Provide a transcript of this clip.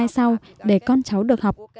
sau để con cháu được học